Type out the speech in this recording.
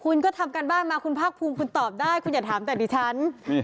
คุณก็ทำการบ้านมาคุณภาคภูมิคุณตอบได้คุณอย่าถามแต่ดิฉัน